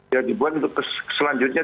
yang dibuat selanjutnya